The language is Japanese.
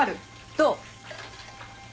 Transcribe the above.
どう？